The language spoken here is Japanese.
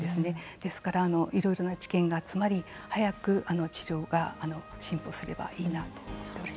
ですからいろいろな知見が集まり早く治療が進歩すればいいなと思います。